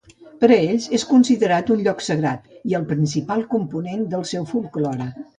Per a ells és considerat un lloc sagrat, i el principal component del seu folklore.